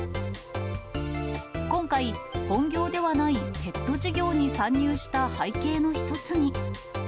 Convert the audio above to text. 今回、本業ではないペット事業に参入した背景の一つに。